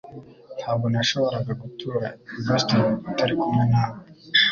Ntabwo nashoboraga gutura i Boston utari kumwe nawe